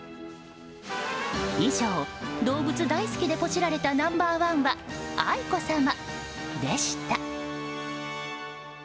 以上、動物大好きでポチられたナンバー１は愛子さまでした。